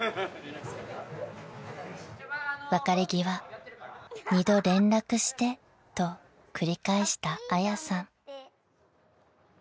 ［別れ際２度「連絡して」と繰り返したあやさん］